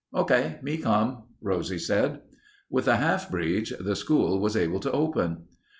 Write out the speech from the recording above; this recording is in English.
"Okay. Me come," Rosie said. With the half breeds, the school was able to open.